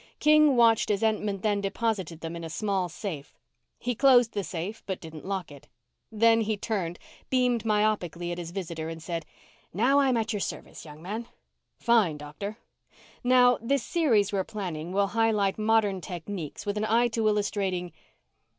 King watched as Entman then deposited them in a small safe. He closed the safe but didn't lock it. Then he turned, beamed myopically at his visitor, and said, "Now I'm at your service, young man." "Fine, Doctor. Now, this series we're planning will highlight modern techniques with an eye to illustrating